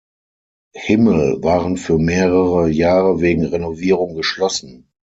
Himmel" waren für mehrere Jahre wegen Renovierung geschlossen.